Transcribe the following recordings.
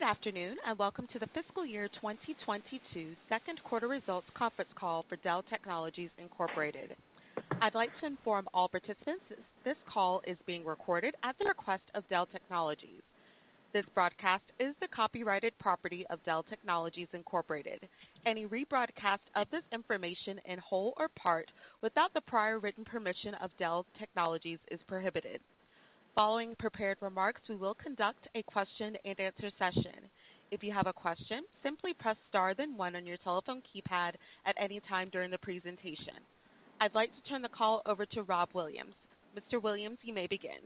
Good afternoon, and welcome to the fiscal year 2022 second quarter results conference call for Dell Technologies Inc. I'd like to inform all participants this call is being recorded at the request of Dell Technologies. This broadcast is the copyrighted property of Dell Technologies Inc. Any rebroadcast of this information in whole or part, without the prior written permission of Dell Technologies is prohibited. Following prepared remarks, we will conduct a question and answer session. If you have a question, simply press star then one on your telephone keypad at any time during the presentation. I'd like to turn the call over to Rob Williams. Mr. Williams, you may begin.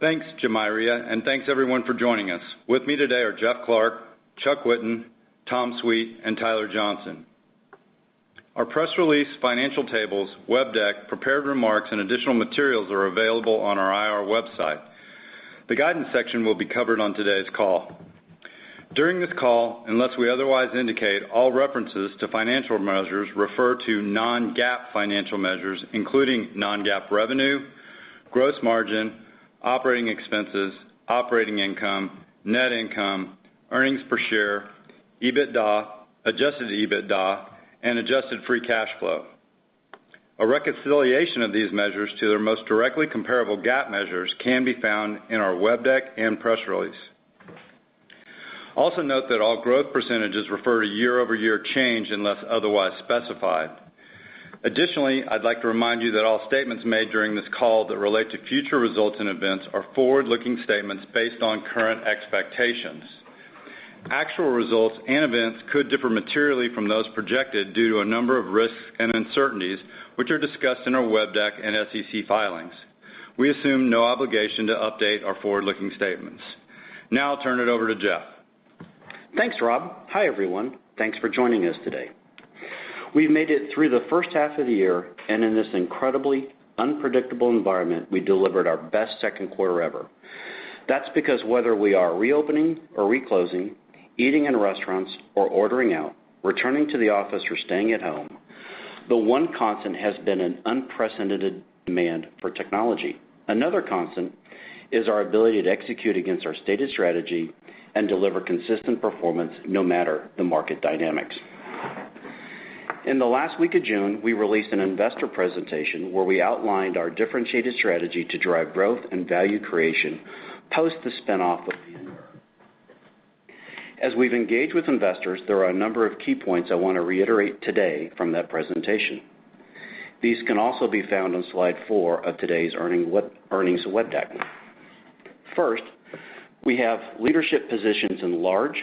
Thanks, Jamiria, and thanks everyone for joining us. With me today are Jeff Clarke, Chuck Whitten, Tom Sweet, and Tyler Johnson. Our press release, financial tables, web deck, prepared remarks, and additional materials are available on our IR website. The guidance section will be covered on today's call. During this call, unless we otherwise indicate, all references to financial measures refer to non-GAAP financial measures, including non-GAAP revenue, gross margin, operating expenses, operating income, net income, earnings per share, EBITDA, adjusted EBITDA, and adjusted free cash flow. A reconciliation of these measures to their most directly comparable GAAP measures can be found in our web deck and press release. Also note that all growth percentage refer to year-over-year change unless otherwise specified. Additionally, I'd like to remind you that all statements made during this call that relate to future results and events are forward-looking statements based on current expectations. Actual results and events could differ materially from those projected due to a number of risks and uncertainties, which are discussed in our web deck and SEC filings. We assume no obligation to update our forward-looking statements. Now I'll turn it over to Jeff. Thanks, Rob. Hi, everyone. Thanks for joining us today. We made it through the first half of the year, and in this incredibly unpredictable environment, we delivered our best second quarter ever. That's because whether we are reopening or reclosing, eating in restaurants or ordering out, returning to the office or staying at home, the one constant has been an unprecedented demand for technology. Another constant is our ability to execute against our stated strategy and deliver consistent performance, no matter the market dynamics. In the last week of June, we released an investor presentation where we outlined our differentiated strategy to drive growth and value creation post the spinoff of VMware. As we've engaged with investors, there are a number of key points I want to reiterate today from that presentation. These can also be found on slide four of today's earnings web deck. First, we have leadership positions in large,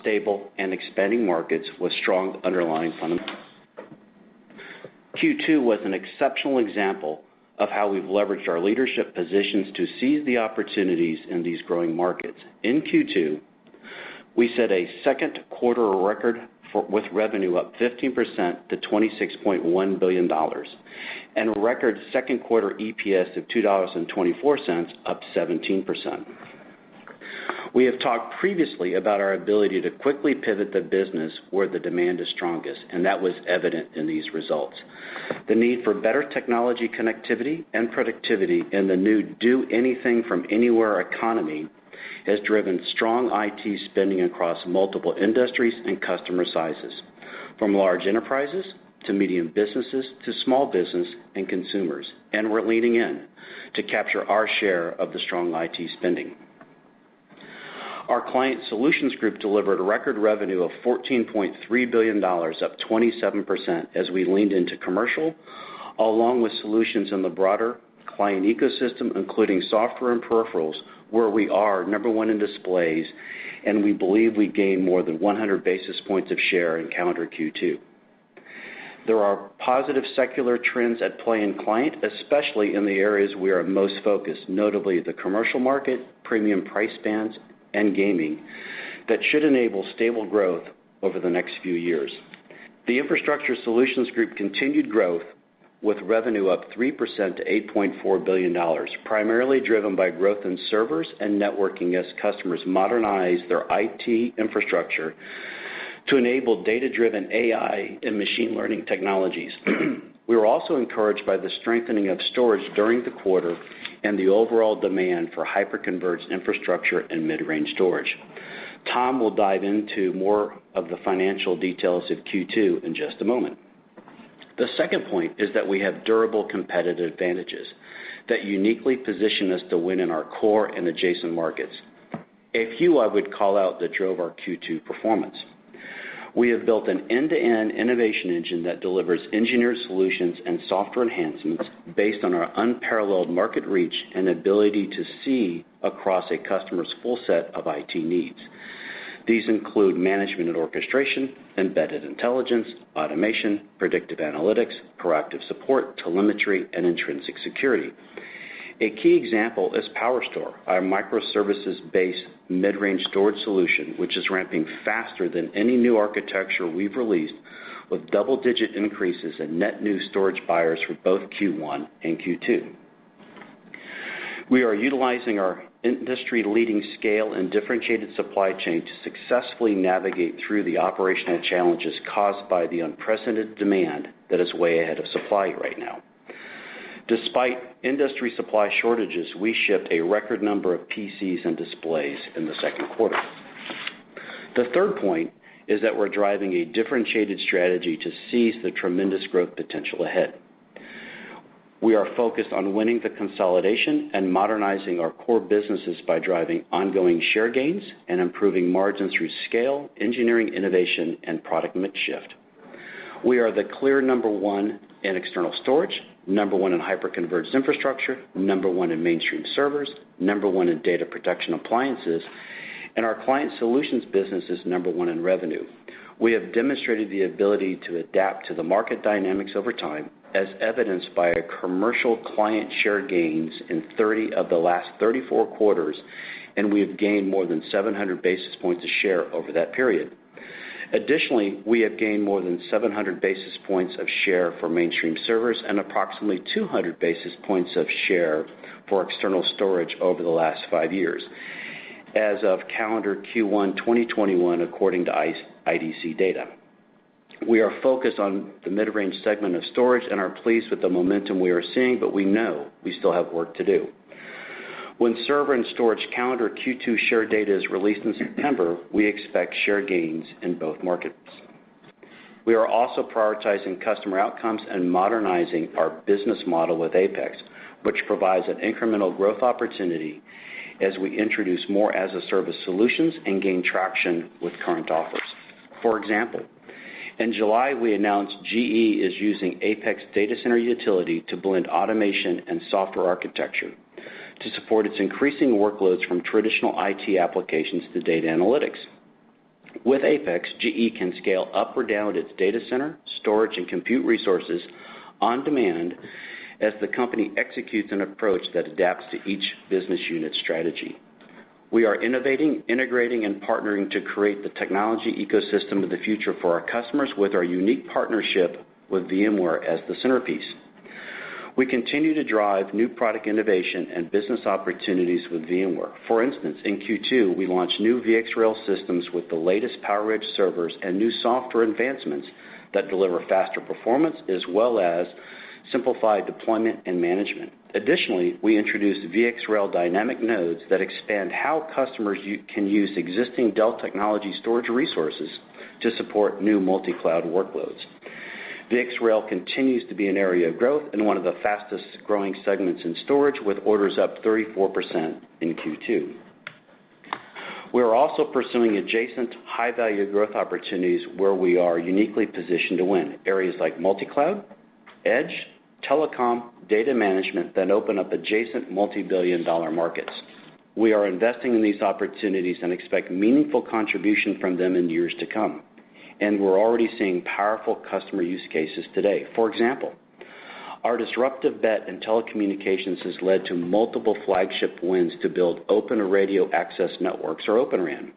stable, and expanding markets with strong underlying fundamentals. Q2 was an exceptional example of how we've leveraged our leadership positions to seize the opportunities in these growing markets. In Q2, we set a second quarter record with revenue up 15% to $26.1 billion, and record second quarter EPS of $2.24, up 17%. We have talked previously about our ability to quickly pivot the business where the demand is strongest, and that was evident in these results. The need for better technology connectivity and productivity in the new do anything from anywhere economy has driven strong IT spending across multiple industries and customer sizes, from large enterprises to medium businesses, to small business and consumers. We're leaning in to capture our share of the strong IT spending. Our Client Solutions Group delivered a record revenue of $14.3 billion, up 27%, as we leaned into commercial, along with solutions in the broader client ecosystem, including software and peripherals, where we are number one in displays, and we believe we gained more than 100 basis points of share in calendar Q2. There are positive secular trends at play in client, especially in the areas we are most focused, notably the commercial market, premium price bands, and gaming, that should enable stable growth over the next few years. The Infrastructure Solutions Group continued growth with revenue up 3% to $8.4 billion, primarily driven by growth in servers and networking as customers modernize their IT infrastructure to enable data-driven AI and machine learning technologies. We were also encouraged by the strengthening of storage during the quarter and the overall demand for hyper-converged infrastructure and mid-range storage. Tom will dive into more of the financial details of Q2 in just a moment. The second point is that we have durable competitive advantages that uniquely position us to win in our core and adjacent markets. A few I would call out that drove our Q2 performance. We have built an end-to-end innovation engine that delivers engineered solutions and software enhancements based on our unparalleled market reach and ability to see across a customer's full set of IT needs. These include management and orchestration, embedded intelligence, automation, predictive analytics, proactive support, telemetry, and intrinsic security. A key example is PowerStore, our microservices-based mid-range storage solution, which is ramping faster than any new architecture we've released with double-digit increases in net new storage buyers for both Q1 and Q2. We are utilizing our industry-leading scale and differentiated supply chain to successfully navigate through the operational challenges caused by the unprecedented demand that is way ahead of supply right now. Despite industry supply shortages, we shipped a record number of PCs and displays in the second quarter. The third point is that we're driving a differentiated strategy to seize the tremendous growth potential ahead. We are focused on winning the consolidation and modernizing our core businesses by driving ongoing share gains and improving margin through scale, engineering innovation, and product mix shift. We are the clear number one in external storage, number one in hyper-converged infrastructure, number one in mainstream servers, number one in data protection appliances, and our client solutions business is number one in revenue. We have demonstrated the ability to adapt to the market dynamics over time, as evidenced by commercial client share gains in 30 of the last 34 quarters, and we have gained more than 700 basis points of share over that period. Additionally, we have gained more than 700 basis points of share for mainstream servers and approximately 200 basis points of share for external storage over the last five years, as of calendar Q1 2021, according to IDC data. We are focused on the mid-range segment of storage and are pleased with the momentum we are seeing, but we know we still have work to do. When server and storage calendar Q2 share data is released in September, we expect share gains in both markets. We are also prioritizing customer outcomes and modernizing our business model with APEX, which provides an incremental growth opportunity as we introduce more as-a-service solutions and gain traction with current offers. For example, in July, we announced GE is using APEX Data Center Utility to blend automation and software architecture to support its increasing workloads from traditional IT applications to data analytics. With APEX, GE can scale up or down its data center, storage, and compute resources on demand as the company executes an approach that adapts to each business unit's strategy. We are innovating, integrating, and partnering to create the technology ecosystem of the future for our customers with our unique partnership with VMware as the centerpiece. We continue to drive new product innovation and business opportunities with VMware. For instance, in Q2, we launched new VxRail systems with the latest PowerEdge servers and new software advancements that deliver faster performance, as well as simplified deployment and management. Additionally, we introduced VxRail dynamic nodes that expand how customers can use existing Dell Technologies storage resources to support new multi-cloud workloads. VxRail continues to be an area of growth and one of the fastest-growing segments in storage, with orders up 34% in Q2. We are also pursuing adjacent high-value growth opportunities where we are uniquely positioned to win. Areas like multi-cloud, edge, telecom, data management that open up adjacent multi-billion-dollar markets. We are investing in these opportunities and expect meaningful contribution from them in years to come, and we're already seeing powerful customer use cases today. For example, our disruptive bet in telecommunications has led to multiple flagship wins to build open radio access networks or Open RAN.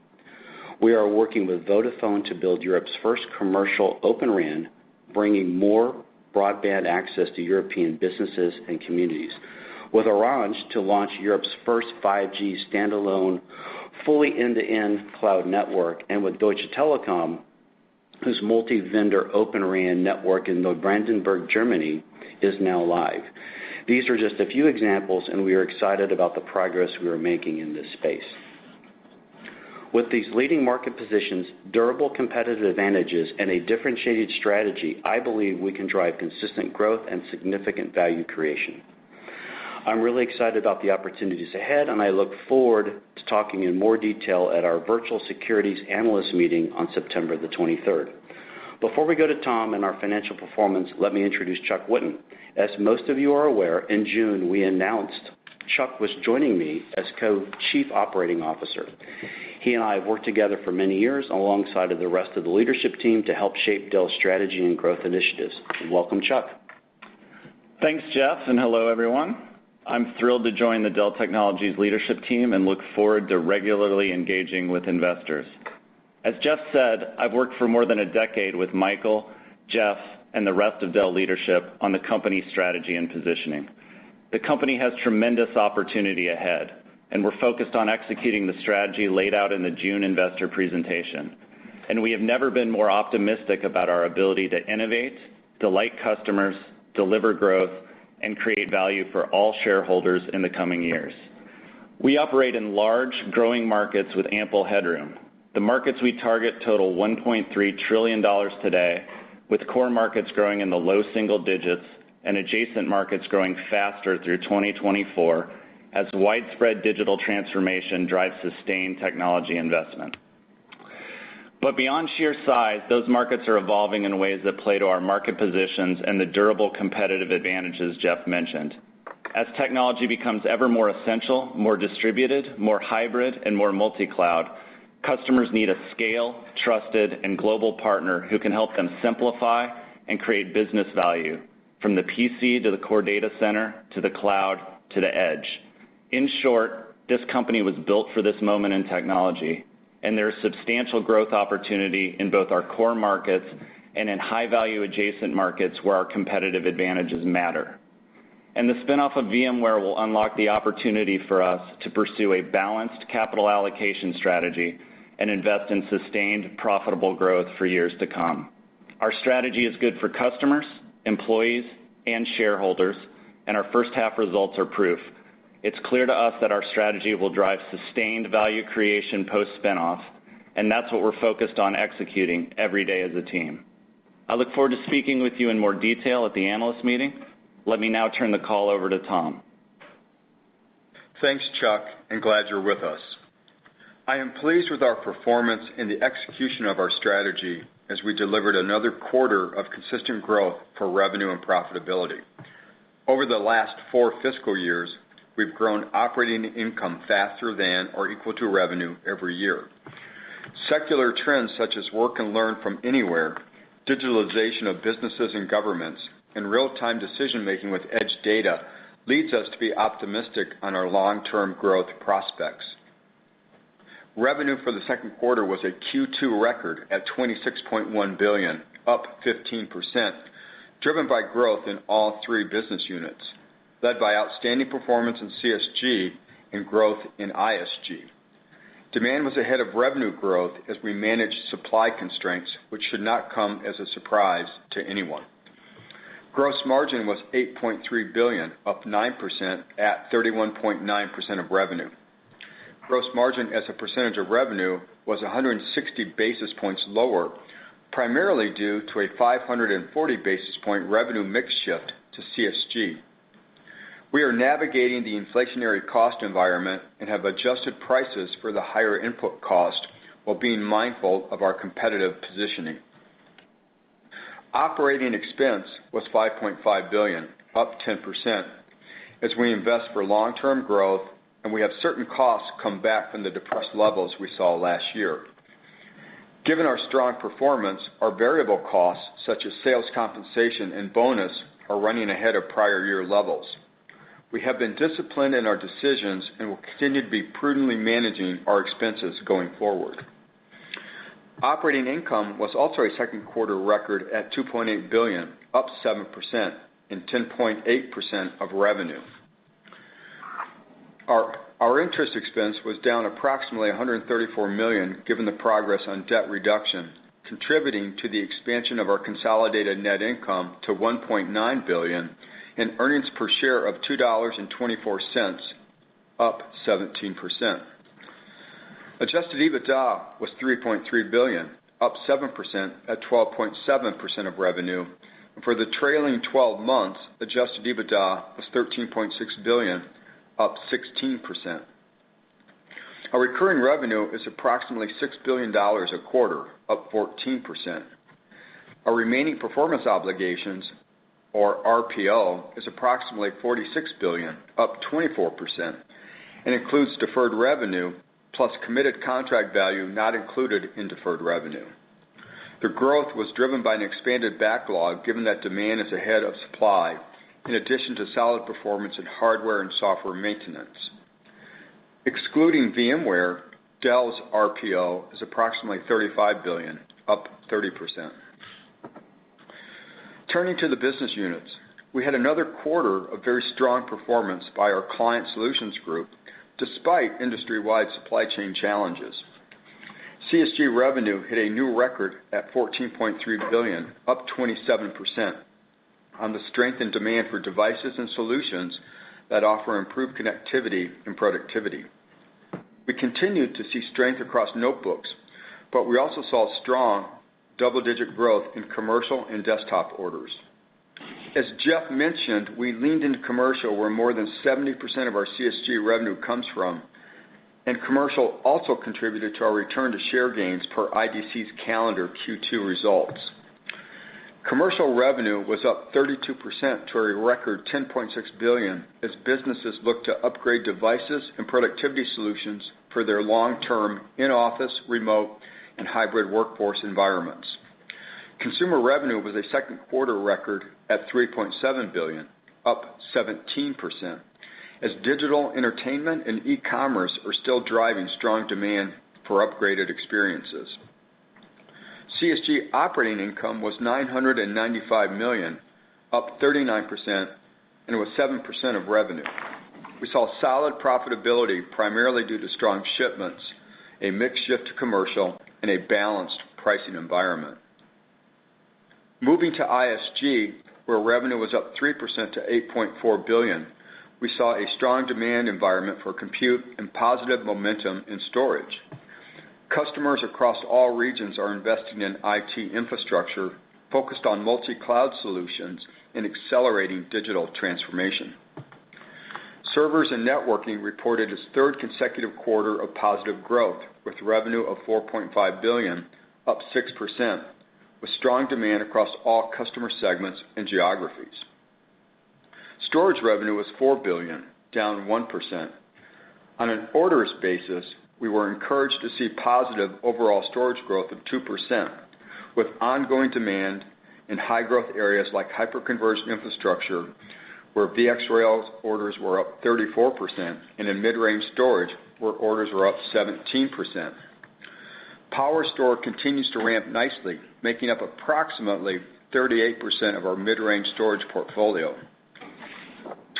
We are working with Vodafone to build Europe's first commercial Open RAN, bringing more broadband access to European businesses and communities, with Orange to launch Europe's first 5G standalone, fully end-to-end cloud network, and with Deutsche Telekom, whose multi-vendor Open RAN network in Brandenburg, Germany is now live. These are just a few examples, and we are excited about the progress we are making in this space. With these leading market positions, durable competitive advantages, and a differentiated strategy, I believe we can drive consistent growth and significant value creation. I'm really excited about the opportunities ahead, and I look forward to talking in more detail at our virtual securities analyst meeting on September the 23rd. Before we go to Tom and our financial performance, let me introduce Chuck Whitten. As most of you are aware, in June, we announced Chuck was joining me as co-Chief Operating Officer. He and I have worked together for many years alongside the rest of the leadership team to help shape Dell's strategy and growth initiatives. Welcome, Chuck. Thanks, Jeff. Hello, everyone. I'm thrilled to join the Dell Technologies leadership team and look forward to regularly engaging with investors. As Jeff said, I've worked for more than a decade with Michael, Jeff, and the rest of Dell leadership on the company strategy and positioning. The company has tremendous opportunity ahead. We're focused on executing the strategy laid out in the June investor presentation. We have never been more optimistic about our ability to innovate, delight customers, deliver growth, and create value for all shareholders in the coming years. We operate in large, growing markets with ample headroom. The markets we target total $1.3 trillion today, with core markets growing in the low single digits and adjacent markets growing faster through 2024 as widespread digital transformation drives sustained technology investment. Beyond sheer size, those markets are evolving in ways that play to our market positions and the durable competitive advantages Jeff mentioned. As technology becomes ever more essential, more distributed, more hybrid, and more multi-cloud, customers need a scale, trusted, and global partner who can help them simplify and create business value from the PC to the core data center, to the cloud, to the edge. In short, this company was built for this moment in technology, there is substantial growth opportunity in both our core markets and in high-value adjacent markets where our competitive advantages matter. The spin-off of VMware will unlock the opportunity for us to pursue a balanced capital allocation strategy and invest in sustained profitable growth for years to come. Our strategy is good for customers, employees, and shareholders, and our first half results are proof. It's clear to us that our strategy will drive sustained value creation post-spin-off, and that's what we're focused on executing every day as a team. I look forward to speaking with you in more detail at the analyst meeting. Let me now turn the call over to Tom. Thanks, Chuck. Glad you're with us. I am pleased with our performance and the execution of our strategy as we delivered another quarter of consistent growth for revenue and profitability. Over the last four fiscal years, we've grown operating income faster than or equal to revenue every year. Secular trends such as work and learn from anywhere, digitalization of businesses and governments, and real-time decision-making with edge data leads us to be optimistic on our long-term growth prospects. Revenue for the second quarter was a Q2 record at $26.1 billion, up 15%, driven by growth in all three business units, led by outstanding performance in CSG and growth in ISG. Demand was ahead of revenue growth as we managed supply constraints, which should not come as a surprise to anyone. Gross margin was $8.3 billion, up 9% at 31.9% of revenue. Gross margin as a percentage of revenue was 160 basis points lower, primarily due to a 540 basis point revenue mix shift to CSG. We are navigating the inflationary cost environment and have adjusted prices for the higher input cost while being mindful of our competitive positioning. Operating expense was $5.5 billion, up 10%, as we invest for long-term growth, and we have certain costs come back from the depressed levels we saw last year. Given our strong performance, our variable costs, such as sales compensation and bonus, are running ahead of prior year levels. We have been disciplined in our decisions and will continue to be prudently managing our expenses going forward. Operating income was also a second quarter record at $2.8 billion, up 7% and 10.8% of revenue. Our interest expense was down approximately $134 million, given the progress on debt reduction, contributing to the expansion of our consolidated net income to $1.9 billion and earnings per share of $2.24, up 17%. Adjusted EBITDA was $3.3 billion, up 7% at 12.7% of revenue. For the trailing 12 months, adjusted EBITDA was $13.6 billion, up 16%. Our recurring revenue is approximately $6 billion a quarter, up 14%. Our remaining performance obligations or RPO is approximately $46 billion, up 24%, and includes deferred revenue, plus committed contract value not included in deferred revenue. The growth was driven by an expanded backlog given that demand is ahead of supply, in addition to solid performance in hardware and software maintenance. Excluding VMware, Dell's RPO is approximately $35 billion, up 30%. Turning to the business units, we had another quarter of very strong performance by our Client Solutions Group, despite industry-wide supply chain challenges. CSG revenue hit a new record at $14.3 billion, up 27% on the strength and demand for devices and solutions that offer improved connectivity and productivity. We continued to see strength across notebooks, but we also saw strong double-digit growth in commercial and desktop orders. As Jeff mentioned, we leaned into commercial, where more than 70% of our CSG revenue comes from, and commercial also contributed to our return to share gains per IDC's calendar Q2 results. Commercial revenue was up 32% to a record $10.6 billion as businesses look to upgrade devices and productivity solutions for their long-term in-office, remote, and hybrid workforce environments. Consumer revenue was a second quarter record at $3.7 billion, up 17%, as digital entertainment and e-commerce are still driving strong demand for upgraded experiences. CSG operating income was $995 million, up 39%, and it was 7% of revenue. We saw solid profitability primarily due to strong shipments in mix shift commercial in a balanced pricing environment. Moving to ISG, where revenue was up 3% to $8.4 billion, we saw a strong demand environment for compute and positive momentum in storage. Customers across all regions are investing in IT infrastructure focused on multi-cloud solutions and accelerating digital transformation. Servers and networking reported its third consecutive quarter of positive growth, with revenue of $4.5 billion, up 6%, with strong demand across all customer segments and geographies. Storage revenue was $4 billion, down 1%. On an orders basis, we were encouraged to see positive overall storage growth of 2%, with ongoing demand in high-growth areas like hyperconverged infrastructure, where VxRail orders were up 34%, and in mid-range storage, where orders were up 17%. PowerStore continues to ramp nicely, making up approximately 38% of our mid-range storage portfolio.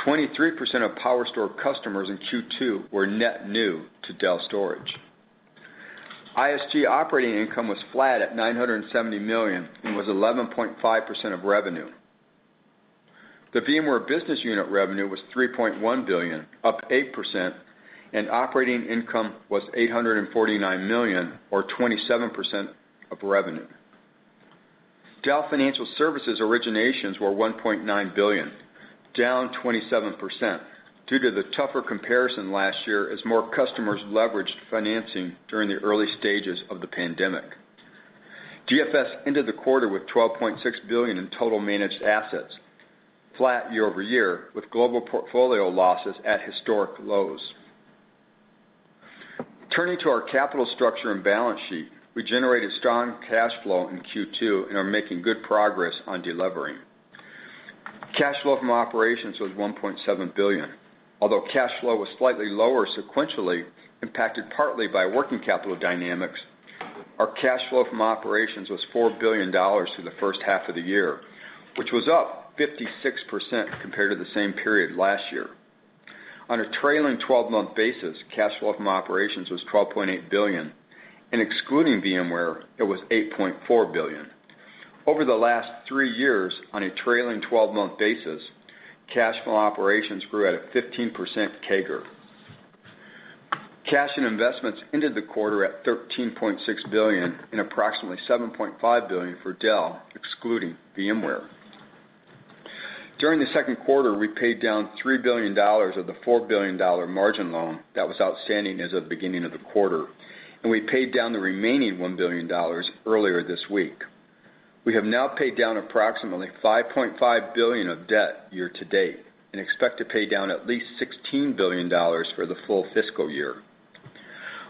23% of PowerStore customers in Q2 were net new to Dell storage. ISG operating income was flat at $970 million and was 11.5% of revenue. The VMware business unit revenue was $3.1 billion, up 8%, and operating income was $849 million, or 27% of revenue. Dell Financial Services originations were $1.9 billion, down 27%, due to the tougher comparison last year as more customers leveraged financing during the early stages of the pandemic. DFS ended the quarter with $12.6 billion in total managed assets, flat year-over-year, with global portfolio losses at historic lows. Turning to our capital structure and balance sheet, we generated strong cash flow in Q2 and are making good progress on delivering. Cash flow from operations was $1.7 billion. Although cash flow was slightly lower sequentially, impacted partly by working capital dynamics, our cash flow from operations was $4 billion through the first half of the year, which was up 56% compared to the same period last year. On a trailing 12-month basis, cash flow from operations was $12.8 billion, and excluding VMware, it was $8.4 billion. Over the last three years, on a trailing 12-month basis, cash from operations grew at a 15% CAGR. Cash and investments ended the quarter at $13.6 billion and approximately $7.5 billion for Dell, excluding VMware. During the second quarter, we paid down $3 billion of the $4 billion margin loan that was outstanding as of the beginning of the quarter, and we paid down the remaining $1 billion earlier this week. We have now paid down approximately $5.5 billion of debt year to date and expect to pay down at least $16 billion for the full fiscal year.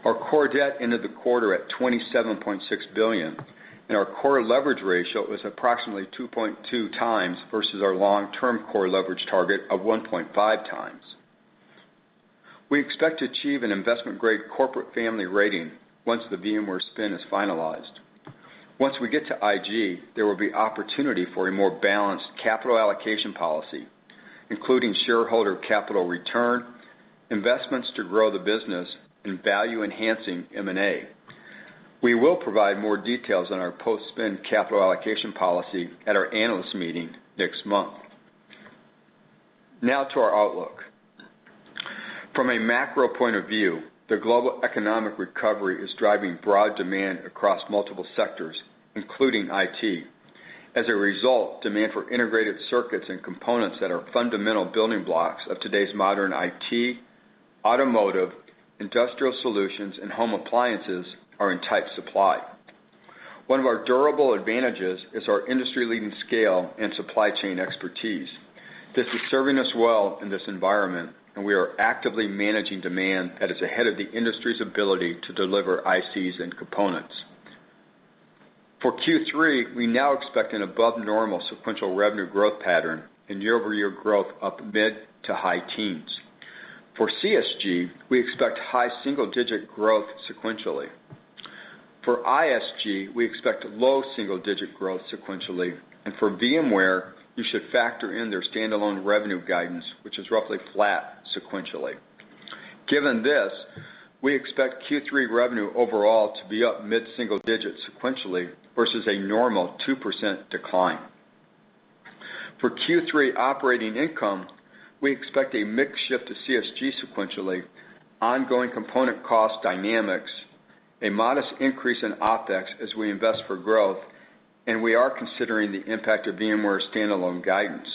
Our core debt ended the quarter at $27.6 billion, and our core leverage ratio was approximately 2.2x versus our long-term core leverage target of 1.5x. We expect to achieve an investment-grade corporate family rating once the VMware spin is finalized. Once we get to IG, there will be opportunity for a more balanced capital allocation policy, including shareholder capital return, investments to grow the business, and value-enhancing M&A. We will provide more details on our post-spin capital allocation policy at our analyst meeting next month. Now to our outlook. From a macro point of view, the global economic recovery is driving broad demand across multiple sectors, including IT. As a result, demand for integrated circuits and components that are fundamental building blocks of today's modern IT, automotive, industrial solutions, and home appliances are in tight supply. One of our durable advantages is our industry-leading scale and supply chain expertise. This is serving us well in this environment, and we are actively managing demand that is ahead of the industry's ability to deliver ICs and components. For Q3, we now expect an above-normal sequential revenue growth pattern and year-over-year growth up mid-to-high teens. For CSG, we expect high single-digit growth sequentially. For ISG, we expect low single-digit growth sequentially, and for VMware, you should factor in their standalone revenue guidance, which is roughly flat sequentially. Given this, we expect Q3 revenue overall to be up mid-single digit sequentially versus a normal 2% decline. For Q3 operating income, we expect a mix shift to CSG sequentially, ongoing component cost dynamics, a modest increase in OpEx as we invest for growth, and we are considering the impact of VMware standalone guidance.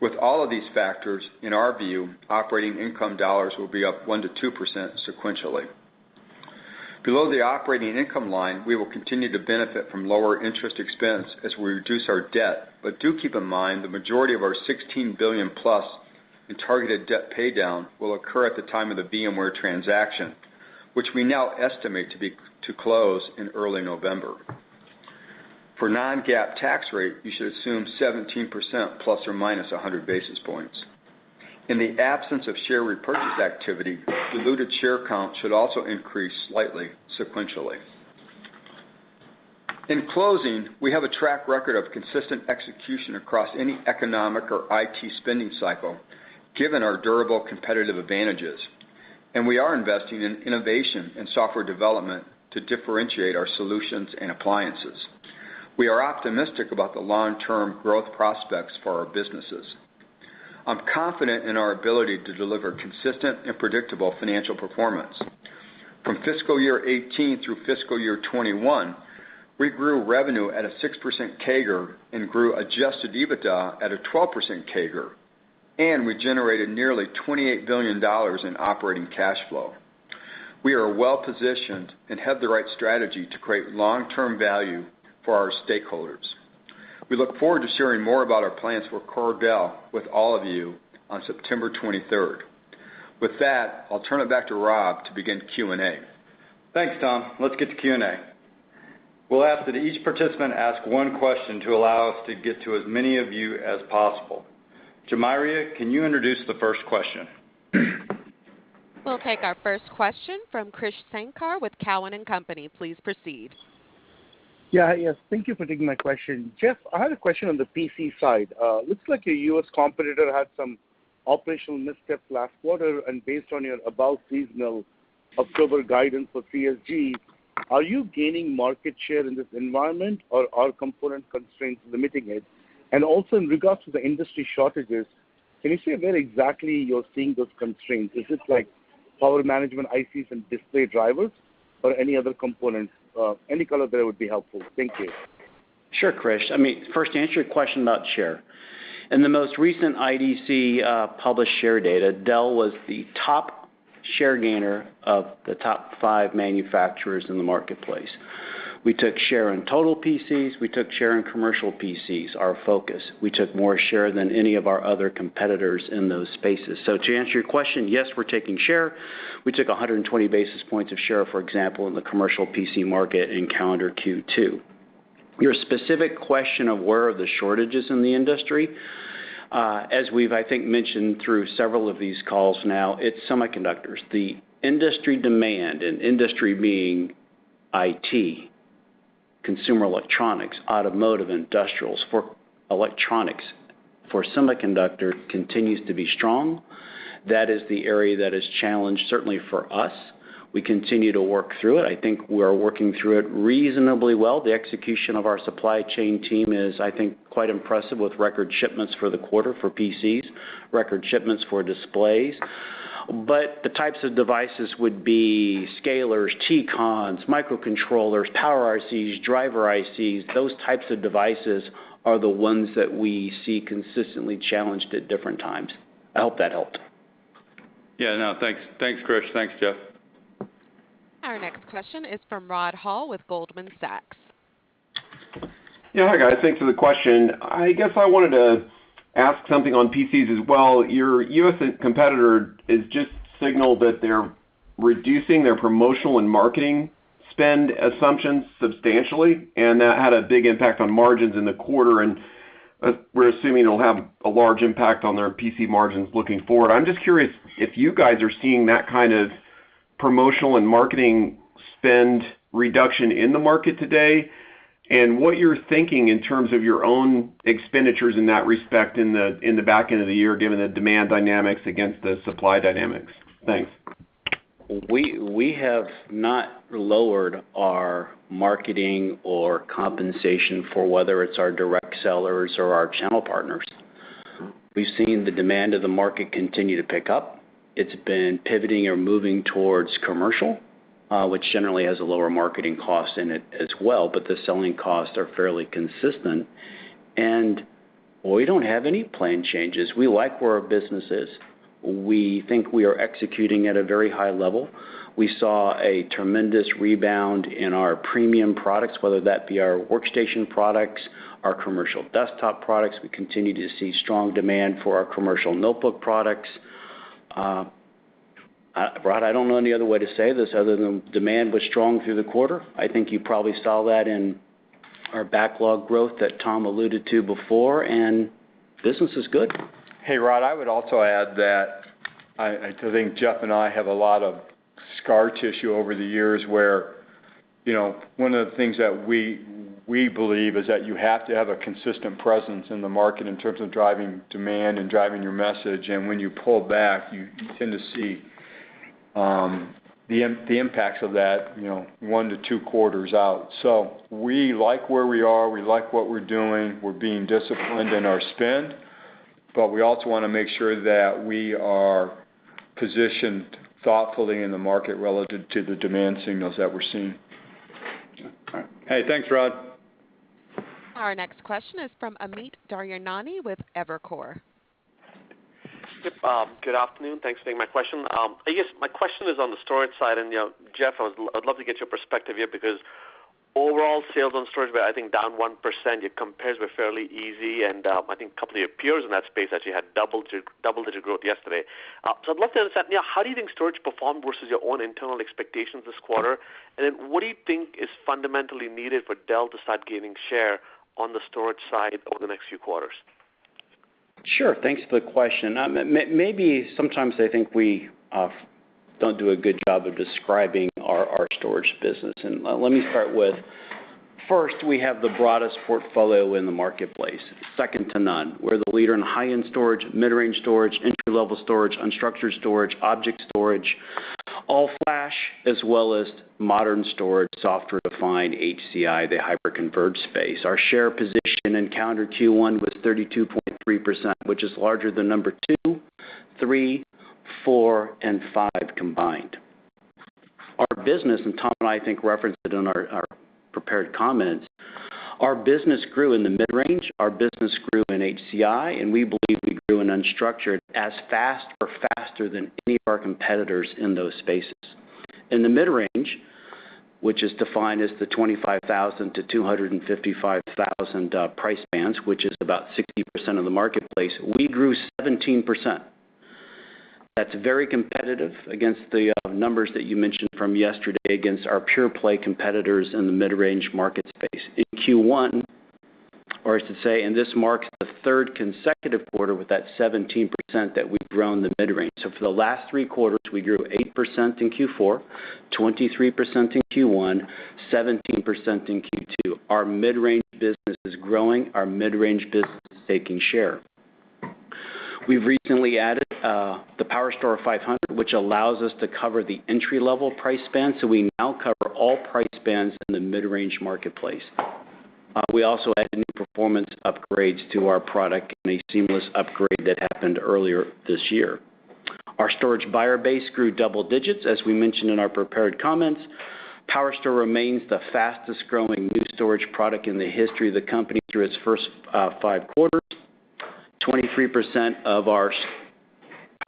With all of these factors, in our view, operating income dollars will be up 1%-2% sequentially. Below the operating income line, we will continue to benefit from lower interest expense as we reduce our debt, but do keep in mind the majority of our $16 billion plus in targeted debt paydown will occur at the time of the VMware transaction, which we now estimate to close in early November. For non-GAAP tax rate, you should assume 17% ± 100 basis points. In the absence of share repurchase activity, diluted share count should also increase slightly sequentially. In closing, we have a track record of consistent execution across any economic or IT spending cycle given our durable competitive advantages, and we are investing in innovation and software development to differentiate our solutions and appliances. We are optimistic about the long-term growth prospects for our businesses. I'm confident in our ability to deliver consistent and predictable financial performance. From fiscal year 2018 through fiscal year 2021, we grew revenue at a 6% CAGR and grew adjusted EBITDA at a 12% CAGR, and we generated nearly $28 billion in operating cash flow. We are well-positioned and have the right strategy to create long-term value for our stakeholders. We look forward to sharing more about our plans for Core Dell with all of you on September 23rd. With that, I'll turn it back to Rob to begin Q&A. Thanks, Tom. Let's get to Q&A. We will ask that each participant ask one question to allow us to get to as many of you as possible. Jamiria, can you introduce the first question? We'll take our first question from Krish Sankar with Cowen and Company. Please proceed. Yeah. Thank you for taking my question. Jeff, I had a question on the PC side. Looks like your US competitor had some operational missteps last quarter. Based on your above seasonal October guidance for CSG, are you gaining market share in this environment, or are component constraints limiting it? Also in regards to the industry shortages, can you say where exactly you're seeing those constraints? Is it power management, ICs, and display drivers or any other component? Any color there would be helpful. Thank you. Sure, Krish. First, to answer your question about share. In the most recent IDC-published share data, Dell was the top share gainer of the top five manufacturers in the marketplace. We took share in total PCs. We took share in commercial PCs, our focus. We took more share than any of our other competitors in those spaces. To answer your question, yes, we're taking share. We took 120 basis points of share, for example, in the commercial PC market in calendar Q2. Your specific question of where are the shortages in the industry, as we've, I think, mentioned through several of these calls now, it's semiconductors. The industry demand, and industry being IT, consumer electronics, automotive, industrials for electronics, for semiconductor, continues to be strong. That is the area that is challenged, certainly for us. We continue to work through it. I think we are working through it reasonably well. The execution of our supply chain team is, I think, quite impressive with record shipments for the quarter for PCs, record shipments for displays. The types of devices would be scalers, TCONs, microcontrollers, power ICs, driver ICs. Those types of devices are the ones that we see consistently challenged at different times. I hope that helped. Yeah, no, thanks, Krish. Thanks, Jeff. Our next question is from Rod Hall with Goldman Sachs. Yeah. Hi, guys. Thanks for the question. I guess I wanted to ask something on PCs as well. Your U.S. competitor has just signaled that they're reducing their promotional and marketing spend assumptions substantially, and that had a big impact on margins in the quarter, and we're assuming it'll have a large impact on their PC margins looking forward. I'm just curious if you guys are seeing that kind of promotional and marketing spend reduction in the market today, and what you're thinking in terms of your own expenditures in that respect in the back end of the year, given the demand dynamics against the supply dynamics. Thanks. We have not lowered our marketing or compensation for whether it's our direct sellers or our channel partners. We've seen the demand of the market continue to pick up. It's been pivoting or moving towards commercial, which generally has a lower marketing cost in it as well, but the selling costs are fairly consistent. We don't have any plan changes. We like where our business is. We think we are executing at a very high level. We saw a tremendous rebound in our premium products, whether that be our workstation products, our commercial desktop products. We continue to see strong demand for our commercial notebook products. Rod, I don't know any other way to say this other than demand was strong through the quarter. I think you probably saw that in our backlog growth that Tom alluded to before, and business is good. Hey, Rod, I would also add that I think Jeff and I have a lot of scar tissue over the years where one of the things that we believe is that you have to have a consistent presence in the market in terms of driving demand and driving your message. When you pull back, you tend to see the impacts of that one-two quarters out. We like where we are. We like what we're doing. We're being disciplined in our spend, but we also want to make sure that we are positioned thoughtfully in the market relative to the demand signals that we're seeing. All right. Hey, thanks, Rod. Our next question is from Amit Daryanani with Evercore. Yep. Good afternoon. Thanks for taking my question. I guess my question is on the storage side, and Jeff, I would love to get your perspective here because overall sales on storage were I think down 1%. Your compares were fairly easy, and I think a couple of your peers in that space actually had double-digit growth yesterday. I'd love to understand how do you think storage performed versus your own internal expectations this quarter, and then what do you think is fundamentally needed for Dell to start gaining share on the storage side over the next few quarters? Sure. Thanks for the question. Maybe sometimes I think we don't do a good job of describing our storage business. Let me start with, first, we have the broadest portfolio in the marketplace. Second to none. We're the leader in high-end storage, mid-range storage, entry-level storage, unstructured storage, object storage, all-flash, as well as modern storage, software-defined, HCI, the hyperconverged space. Our share position in calendar Q1 was 32.3%, which is larger than number two, three, four, and five combined. Our business, Tom, I think, referenced it in our prepared comments, our business grew in the mid-range, our business grew in HCI, and we believe we grew in unstructured as fast or faster than any of our competitors in those spaces. In the mid-range, which is defined as the $25,000-$255,000 price bands, which is about 60% of the marketplace, we grew 17%. That's very competitive against the numbers that you mentioned from yesterday against our pure-play competitors in the mid-range market space. This marks the third consecutive quarter with that 17% that we've grown the mid-range. For the last three quarters, we grew 8% in Q4, 23% in Q1, 17% in Q2. Our mid-range business is growing. Our mid-range business is taking share. We've recently added the PowerStore 500, which allows us to cover the entry-level price band. We now cover all price bands in the mid-range marketplace. We also added new performance upgrades to our product in a seamless upgrade that happened earlier this year. Our storage buyer base grew double digits, as we mentioned in our prepared comments. PowerStore remains the fastest-growing new storage product in the history of the company through its first five quarters. 23% of our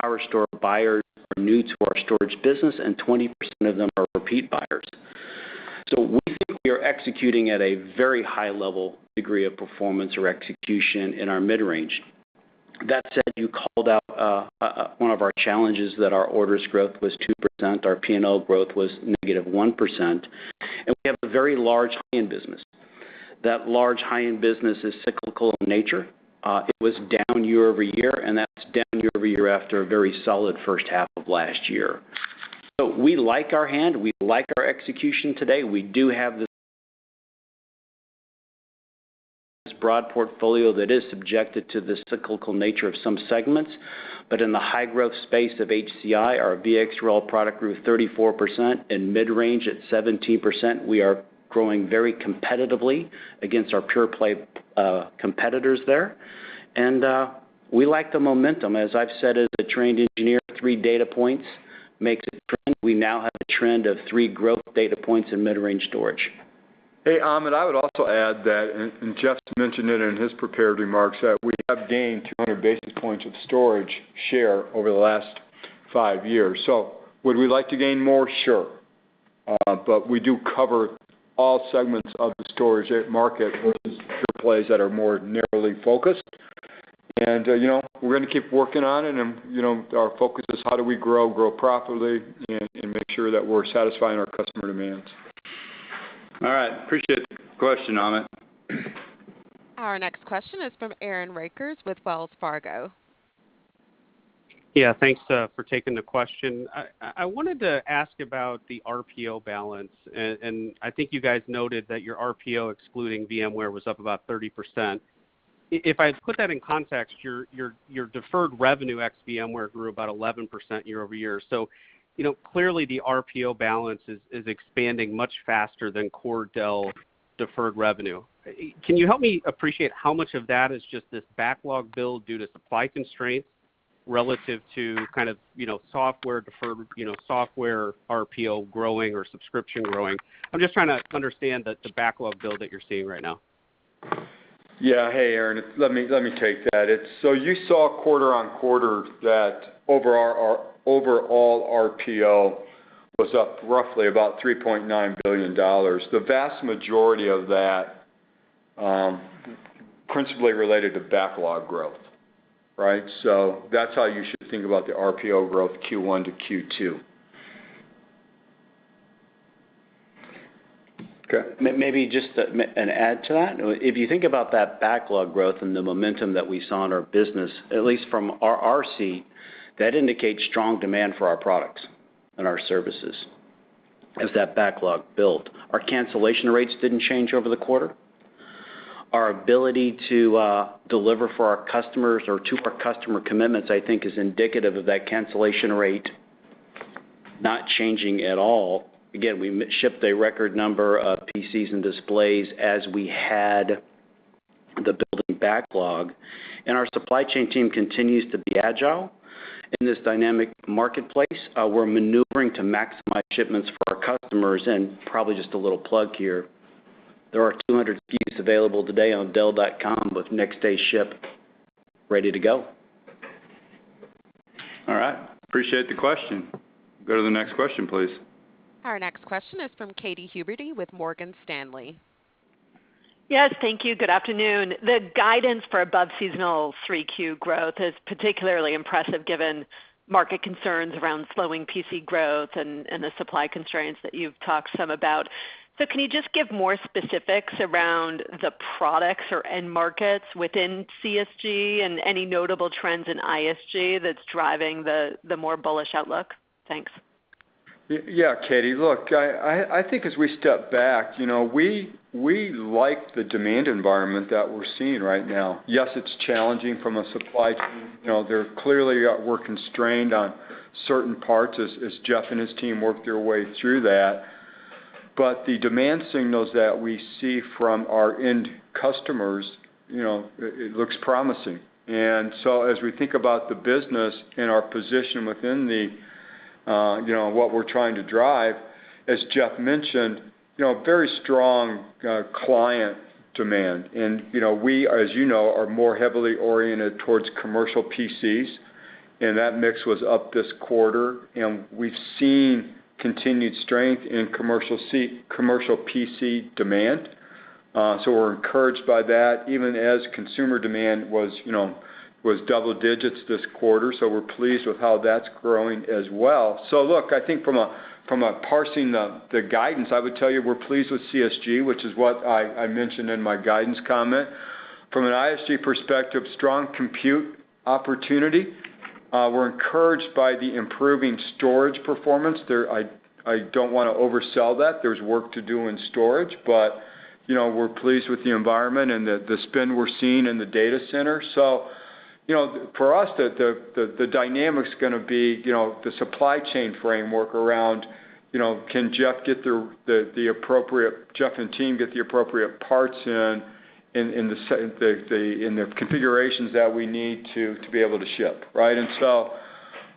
PowerStore buyers are new to our storage business. 20% of them are repeat buyers. We think we are executing at a very high-level degree of performance or execution in our mid-range. That said, you called out one of our challenges, that our orders growth was 2%, our P&L growth was -1%, and we have a very large high-end business. That large high-end business is cyclical in nature. It was down year-over-year, and that's down year-over-year after a very solid first half of last year. We like our hand. We like our execution today. We do have this broad portfolio that is subjected to the cyclical nature of some segments, but in the high-growth space of HCI, our VxRail product grew 34%, and mid-range at 17%. We are growing very competitively against our pure-play competitors there. We like the momentum. As I've said, as a trained engineer, three data points makes a trend. We now have a trend of three growth data points in mid-range storage. Hey, Amit, I would also add that, and Jeff's mentioned it in his prepared remarks, that we have gained 200 basis points of storage share over the last five years. Would we like to gain more? Sure. We do cover all segments of the storage market versus pure plays that are more narrowly focused. We're going to keep working on it, and our focus is how do we grow profitably, and make sure that we're satisfying our customer demands. All right. Appreciate the question, Amit. Our next question is from Aaron Rakers with Wells Fargo. Yeah. Thanks for taking the question. I wanted to ask about the RPO balance, and I think you guys noted that your RPO, excluding VMware, was up about 30%. If I put that in context, your deferred revenue ex VMware grew about 11% year-over-year. Clearly, the RPO balance is expanding much faster than core Dell deferred revenue. Can you help me appreciate how much of that is just this backlog build due to supply constraints relative to software RPO growing or subscription growing? I'm just trying to understand the backlog build that you're seeing right now. Yeah. Hey, Aaron. Let me take that. You saw quarter-on-quarter that overall RPO was up roughly about $3.9 billion. The vast majority of that principally related to backlog growth. Right. That's how you should think about the RPO growth Q1-Q2. Okay. Maybe just an add to that. If you think about that backlog growth and the momentum that we saw in our business, at least from our seat, that indicates strong demand for our products and our services as that backlog built. Our cancellation rates didn't change over the quarter. Our ability to deliver for our customers or to our customer commitments, I think, is indicative of that cancellation rate not changing at all. We shipped a record number of PCs and displays as we had the building backlog, and our supply chain team continues to be agile in this dynamic marketplace. We're maneuvering to maximize shipments for our customers, probably just a little plug here, there are 200 SKUs available today on dell.com with next-day ship ready to go. All right. Appreciate the question. Go to the next question, please. Our next question is from Katy Huberty with Morgan Stanley. Yes, thank you. Good afternoon. The guidance for above seasonal 3Q growth is particularly impressive given market concerns around slowing PC growth and the supply constraints that you've talked some about. Can you just give more specifics around the products or end markets within CSG and any notable trends in ISG that's driving the more bullish outlook? Thanks. Katy. I think as we step back, we like the demand environment that we're seeing right now. Yes, it's challenging from a supply chain. Clearly, we're constrained on certain parts as Jeff and his team work their way through that. The demand signals that we see from our end customers, it looks promising. As we think about the business and our position within what we're trying to drive, as Jeff mentioned, very strong client demand. We, as you know, are more heavily oriented towards commercial PCs, and that mix was up this quarter. We've seen continued strength in commercial PC demand. We're encouraged by that, even as consumer demand was double digits this quarter, so we're pleased with how that's growing as well. Look, I think from parsing the guidance, I would tell you we're pleased with CSG, which is what I mentioned in my guidance comment. From an ISG perspective, strong compute opportunity. We're encouraged by the improving storage performance. I don't want to oversell that. There's work to do in storage, but we're pleased with the environment and the spend we're seeing in the data center. For us, the dynamic's going to be the supply chain framework around, can Jeff and team get the appropriate parts in the configurations that we need to be able to ship, right?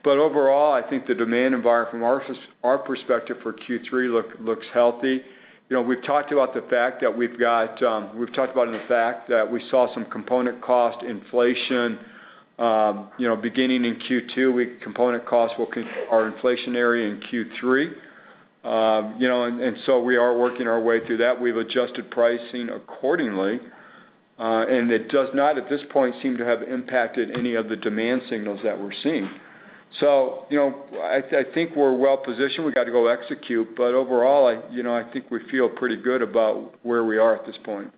Overall, I think the demand environment from our perspective for Q3 looks healthy. We've talked about the fact that we saw some component cost inflation beginning in Q2. Component costs are inflationary in Q3, we are working our way through that. We've adjusted pricing accordingly. It does not, at this point, seem to have impacted any of the demand signals that we're seeing. I think we're well-positioned. We've got to go execute, overall, I think we feel pretty good about where we are at this point.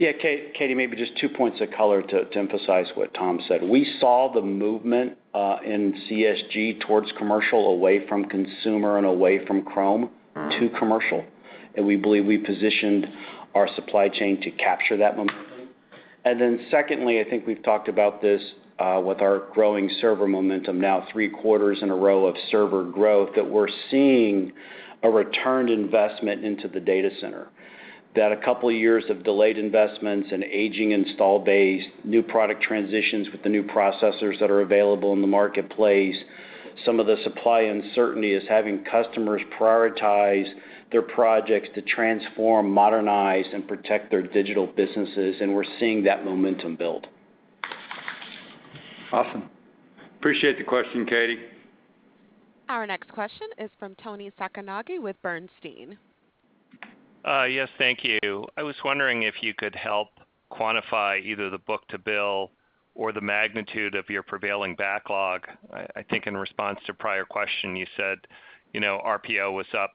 Katy, maybe just two points of color to emphasize what Tom said. We saw the movement in CSG towards commercial, away from consumer and away from Chrome to commercial, and we believe we positioned our supply chain to capture that momentum. Secondly, I think we've talked about this with our growing server momentum, now three quarters in a row of server growth, that we're seeing a return investment into the data center, that a couple of years of delayed investments and aging install base, new product transitions with the new processors that are available in the marketplace. Some of the supply uncertainty is having customers prioritize their projects to transform, modernize, and protect their digital businesses, and we're seeing that momentum build. Awesome. Appreciate the question, Katy. Our next question is from Toni Sacconaghi with Bernstein. Yes. Thank you. I was wondering if you could help quantify either the book-to-bill or the magnitude of your prevailing backlog. I think in response to a prior question, you said RPO was up.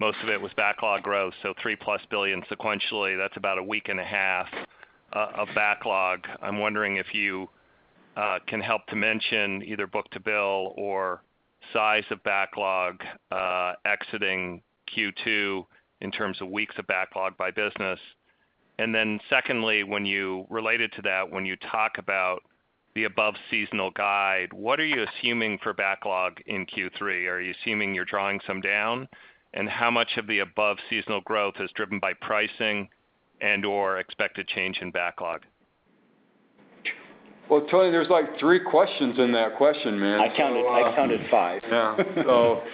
Most of it was backlog growth, so $3+ billion sequentially. That's about a week and a half of backlog. I'm wondering if you can help to mention either book-to-bill or size of backlog exiting Q2 in terms of weeks of backlog by business. Secondly, related to that, when you talk about the above-seasonal guide, what are you assuming for backlog in Q3? Are you assuming you're drawing some down? How much of the above-seasonal growth is driven by pricing and/or expected change in backlog? Well, Toni, there's like three questions in that question, man. I counted five. Yeah.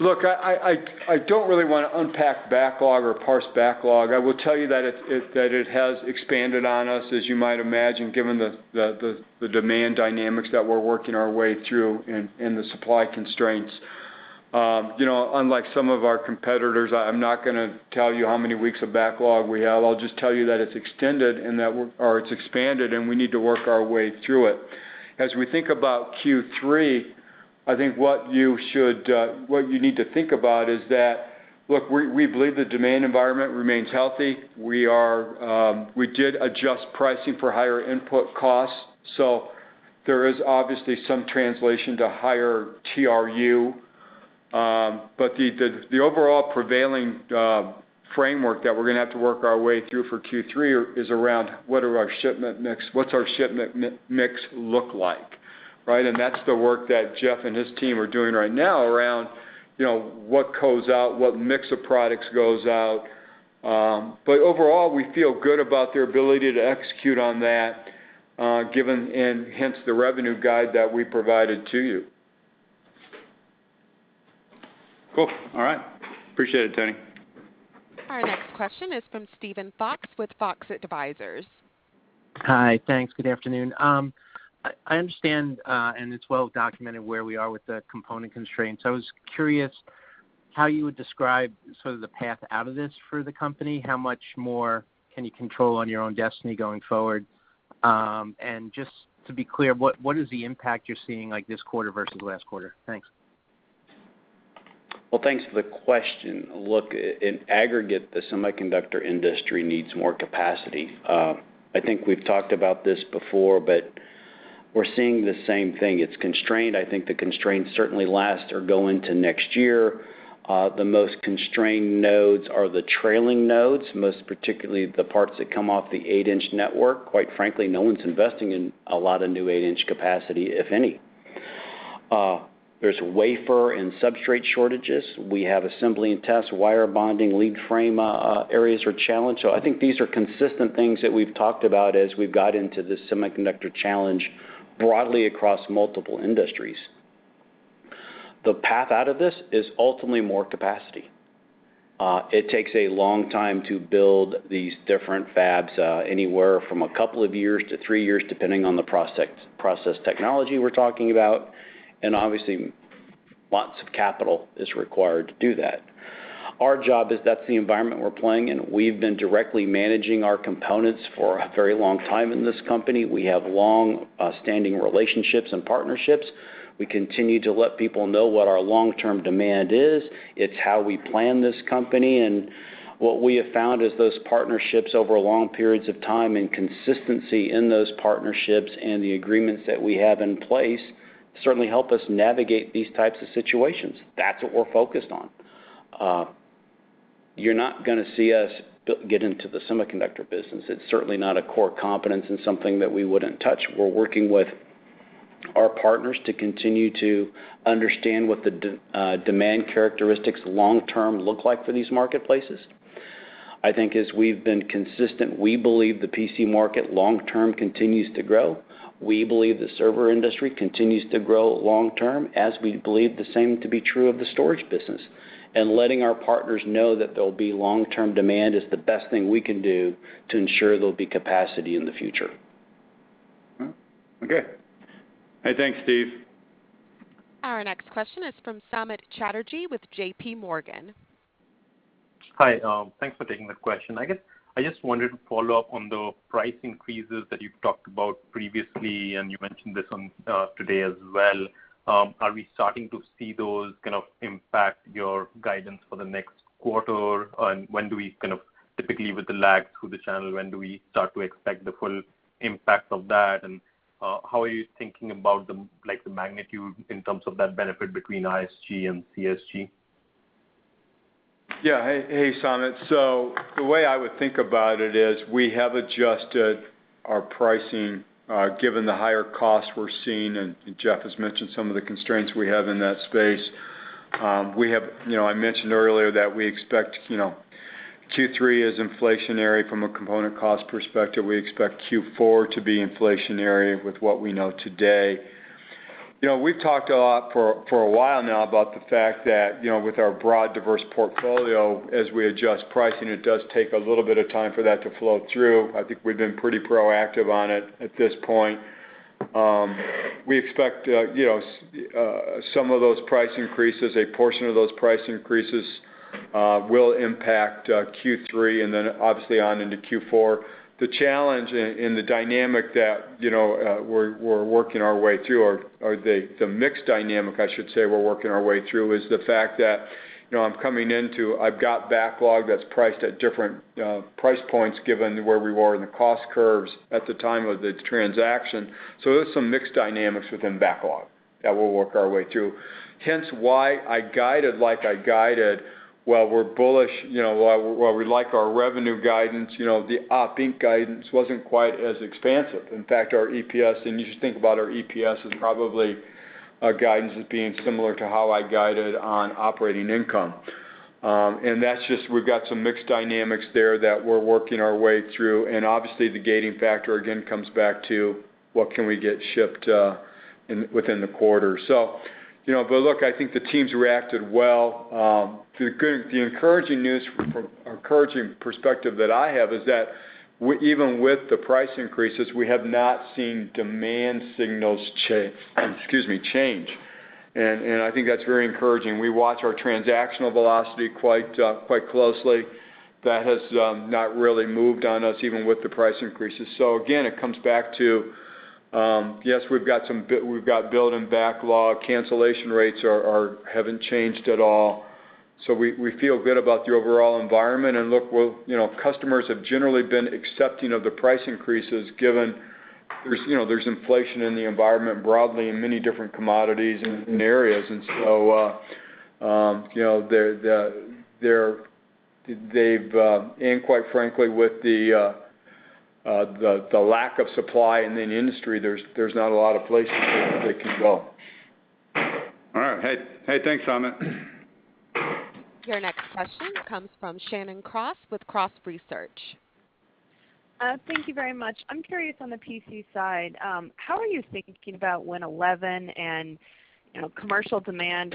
Look, I don't really want to unpack backlog or parse backlog. I will tell you that it has expanded on us, as you might imagine, given the demand dynamics that we're working our way through and the supply constraints. Unlike some of our competitors, I'm not going to tell you how many weeks of backlog we have. I'll just tell you that it's extended or it's expanded, and we need to work our way through it. As we think about Q3, I think what you need to think about is that, look, we believe the demand environment remains healthy. We did adjust pricing for higher input costs, so there is obviously some translation to higher TRU. The overall prevailing framework that we're going to have to work our way through for Q3 is around what's our shipment mix look like, right? That's the work that Jeff and his team are doing right now around what goes out, what mix of products goes out. Overall, we feel good about their ability to execute on that, and hence the revenue guide that we provided to you. Cool. All right. Appreciate it, Toni. Our next question is from Steven Fox with Fox Advisors. Hi. Thanks. Good afternoon. I understand, and it's well documented where we are with the component constraints. I was curious how you would describe sort of the path out of this for the company. How much more can you control on your own destiny going forward? Just to be clear, what is the impact you're seeing like this quarter versus last quarter? Thanks. Well, thanks for the question. Look, in aggregate, the semiconductor industry needs more capacity. I think we've talked about this before, but we're seeing the same thing. It's constrained. I think the constraints certainly last or go into next year. The most constrained nodes are the trailing nodes, most particularly the parts that come off the 8-inch network. Quite frankly, no one's investing in a lot of new 8-inch capacity, if any. There's wafer and substrate shortages. We have assembly and test, wire bonding, lead frame areas are challenged. I think these are consistent things that we've talked about as we've got into this semiconductor challenge broadly across multiple industries. The path out of this is ultimately more capacity. It takes a long time to build these different fabs, anywhere from a couple of years to three years, depending on the process technology we're talking about. Obviously, lots of capital is required to do that. Our job is, that's the environment we're playing in. We've been directly managing our components for a very long time in this company. We have longstanding relationships and partnerships. We continue to let people know what our long-term demand is. It's how we plan this company, and what we have found is those partnerships over long periods of time, and consistency in those partnerships, and the agreements that we have in place certainly help us navigate these types of situations. That's what we're focused on. You're not going to see us get into the semiconductor business. It's certainly not a core competence and something that we wouldn't touch. We're working with our partners to continue to understand what the demand characteristics long term look like for these marketplaces. I think as we've been consistent, we believe the PC market long term continues to grow. We believe the server industry continues to grow long term, as we believe the same to be true of the storage business. Letting our partners know that there'll be long-term demand is the best thing we can do to ensure there'll be capacity in the future. Okay. Hey, thanks, Steven. Our next question is from Samik Chatterjee with JPMorgan. Hi. Thanks for taking the question. I guess I just wanted to follow up on the price increases that you've talked about previously, and you mentioned this today as well. Are we starting to see those kind of impact your guidance for the next quarter? When do we kind of, typically with the lag through the channel, when do we start to expect the full impact of that, and how are you thinking about the magnitude in terms of that benefit between ISG and CSG? Hey, Samik. The way I would think about it is we have adjusted our pricing, given the higher costs we're seeing. Jeff has mentioned some of the constraints we have in that space. I mentioned earlier that we expect Q3 is inflationary from a component cost perspective. We expect Q4 to be inflationary with what we know today. We've talked a lot for a while now about the fact that, with our broad diverse portfolio, as we adjust pricing, it does take a little bit of time for that to flow through. I think we've been pretty proactive on it at this point. We expect some of those price increases, a portion of those price increases, will impact Q3. Then obviously on into Q4. The challenge in the dynamic that we're working our way through, or the mixed dynamic I should say we're working our way through, is the fact that I'm coming into I've got backlog that's priced at different price points given where we were in the cost curves at the time of the transaction. There's some mixed dynamics within backlog that we'll work our way through. Hence why I guided like I guided. While we like our revenue guidance, the op inc guidance wasn't quite as expansive. In fact, our EPS, and you just think about our EPS, is probably our guidance as being similar to how I guided on operating income. That's just we've got some mixed dynamics there that we're working our way through, and obviously the gating factor again comes back to what can we get shipped within the quarter. Look, I think the team's reacted well. The encouraging perspective that I have is that even with the price increases, we have not seen demand signals change, and I think that's very encouraging. We watch our transactional velocity quite closely. That has not really moved on us even with the price increases. Again, it comes back to yes, we've got build and backlog. Cancellation rates haven't changed at all. We feel good about the overall environment. Look, customers have generally been accepting of the price increases given there's inflation in the environment broadly in many different commodities and areas. Quite frankly, with the lack of supply in the industry, there's not a lot of places they can go. All right. Hey, thanks, Samik. Your next question comes from Shannon Cross with Cross Research. Thank you very much. I'm curious on the PC side. How are you thinking about Windows 11 and commercial demand,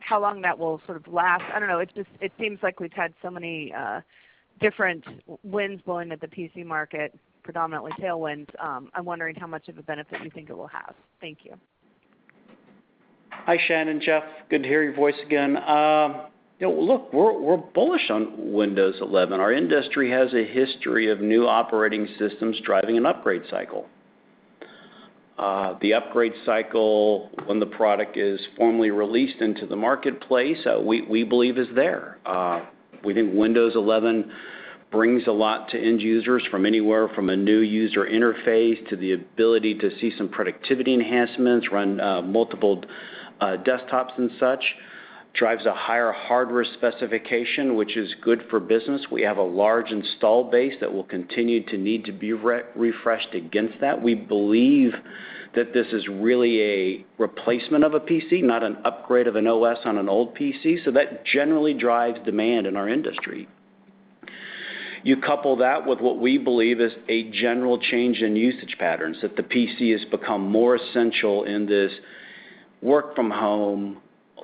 how long that will sort of last? I don't know. It seems like we've had so many different winds blowing at the PC market, predominantly tailwinds. I'm wondering how much of a benefit you think it will have? Thank you. Hi, Shannon. Jeff, good to hear your voice again. Look, we're bullish on Windows 11. Our industry has a history of new operating systems driving an upgrade cycle. The upgrade cycle when the product is formally released into the marketplace, we believe is there. We think Windows 11 brings a lot to end users from anywhere from a new user interface to the ability to see some productivity enhancements, run multiple desktops and such, drives a higher hardware specification, which is good for business. We have a large install base that will continue to need to be refreshed against that. We believe that this is really a replacement of a PC, not an upgrade of an OS on an old PC. That generally drives demand in our industry. You couple that with what we believe is a general change in usage patterns, that the PC has become more essential in this work from home,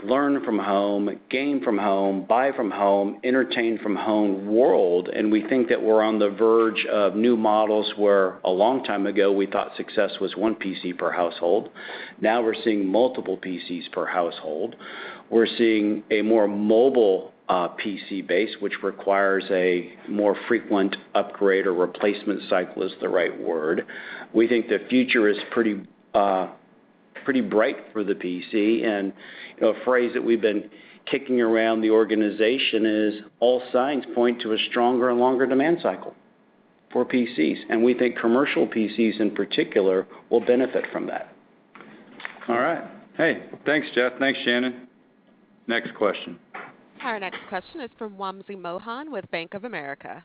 learn from home, game from home, buy from home, entertain from home world. We think that we're on the verge of new models where a long time ago, we thought success was one PC per household. Now we're seeing multiple PCs per household. We're seeing a more mobile PC base, which requires a more frequent upgrade or replacement cycle is the right word. We think the future is pretty bright for the PC, and a phrase that we've been kicking around the organization is all signs point to a stronger and longer demand cycle for PCs. We think commercial PCs in particular will benefit from that. All right. Hey, thanks, Jeff. Thanks, Shannon. Next question. Our next question is from Wamsi Mohan with Bank of America.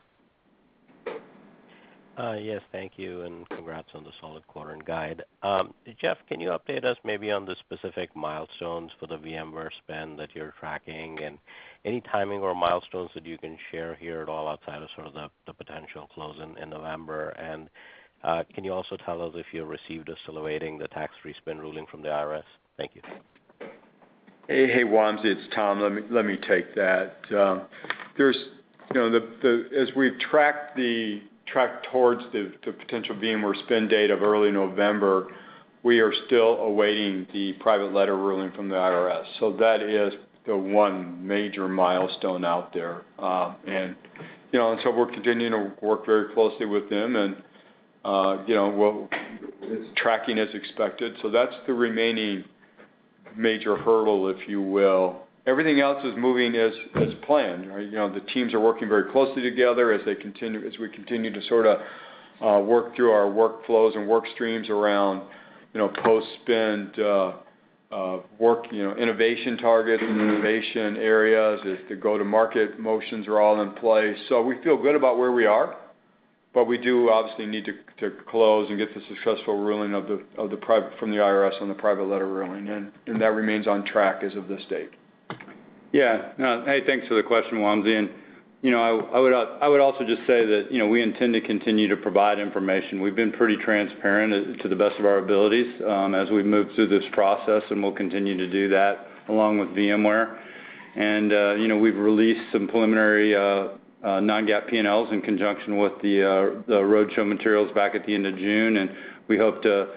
Yes, thank you. Congrats on the solid quarter and guide. Jeff, can you update us maybe on the specific milestones for the VMware spin that you're tracking, and any timing or milestones that you can share here at all outside of sort of the potential close in November? Can you also tell us if you received or still awaiting the tax-free spin ruling from the IRS? Thank you. Hey, Wamsi. It's Tom. Let me take that. As we track towards the potential VMware spin date of early November, we are still awaiting the private letter ruling from the IRS. That is the one major milestone out there. We're continuing to work very closely with them, and it's tracking as expected. That's the remaining major hurdle, if you will. Everything else is moving as planned. The teams are working very closely together as we continue to sort of work through our workflows and work streams around post-spin work, innovation target and innovation areas. The go-to market motions are all in place. We feel good about where we are, but we do obviously need to close and get the successful ruling from the IRS on the private letter ruling, and that remains on track as of this date. Yeah. Hey, thanks for the question, Wamsi, and I would also just say that we intend to continue to provide information. We've been pretty transparent to the best of our abilities as we've moved through this process, and we'll continue to do that along with VMware. We've released some preliminary non-GAAP P&Ls in conjunction with the roadshow materials back at the end of June, and we hope to